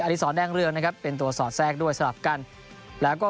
ดีสอนแดงเรืองนะครับเป็นตัวสอดแทรกด้วยสลับกันแล้วก็